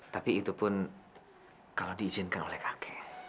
tapi itu pun kalau diizinkan oleh kakek